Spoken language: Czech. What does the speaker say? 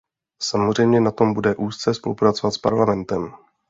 Samozřejmě na tom budeme úzce spolupracovat s Parlamentem.